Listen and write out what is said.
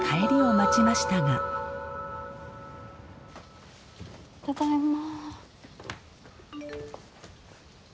ただいま。